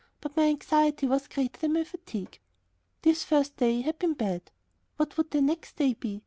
But my anxiety was greater than my fatigue. This first day had been bad; what would the next day be?